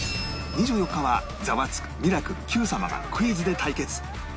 ２４日は『ザワつく！』『ミラクル』『Ｑ さま！！』がクイズで対決